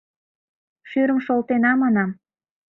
Шӱрым шолтена, манам!